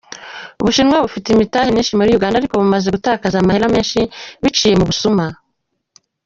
Ubushinwa bufise imitahe myinshi muri Uganda, ariko bumaze gutakaza amahera menshi biciye mu busuma.